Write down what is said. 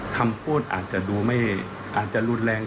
คำพูดอาจจะดูไม่อาจจะรุนแรง